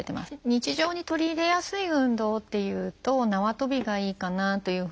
日常に取り入れやすい運動っていうとなわとびがいいかなというふうに思います。